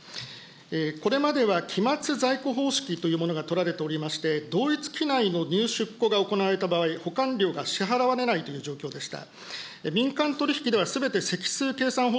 これまでは期末在庫方式というものが取られておりまして、同一期内の方式が行われた場合、保管料が支払われないという状況でした。